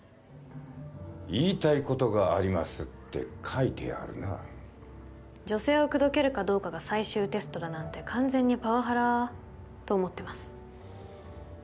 言いたいことがありますって書いてあるな女性を口説けるかどうかが最終テストだなんて完全にパワハラーと思ってます